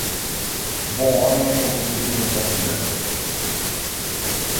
O bom homem é como o trigo do bom dia.